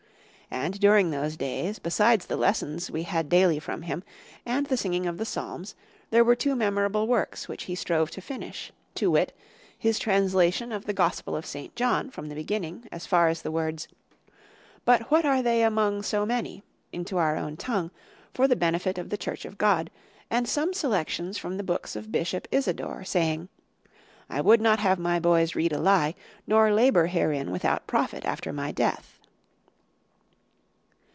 And during those days, besides the lessons we had daily from him, and the singing of the Psalms, there were two memorable works, which he strove to finish; to wit, his translation of the Gospel of St. John, from the beginning, as far as the words, 'But what are they among so many?' into our own tongue, for the benefit of the Church of God; and some selections from the books of Bishop Isidore, saying, 'I would not have my boys read a lie, nor labour herein without profit after my death.